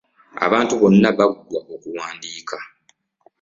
Abantu bonna baggwa okwandiika.